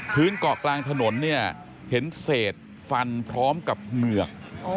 เกาะกลางถนนเนี่ยเห็นเศษฟันพร้อมกับเหงือก